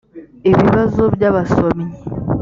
ibibazo by’abasomyi.